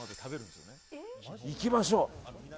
行きましょう。